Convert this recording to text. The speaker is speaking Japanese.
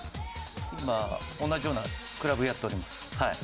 今、同じようなクラブをやっております。